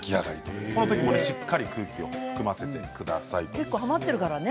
このときも空気をしっかり含ませてください。